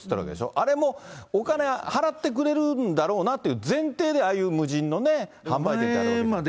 あれもお金払ってくれるんだろうなっていう前提でああいう無人のね、販売機ってあるわけで。